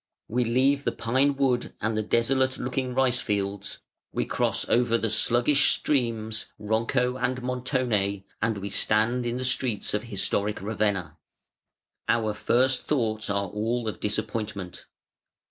We leave the pine wood and the desolate looking rice fields, we cross over the sluggish streams Ronco and Montone and we stand in the streets of historic Ravenna. Our first thoughts are all of disappointment.